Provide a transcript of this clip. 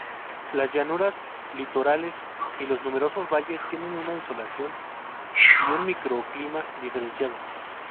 Las llanuras litorales y los numerosos valles tienen una insolación y un microclima diferenciado.